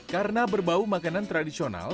karena berbau makanan tradisional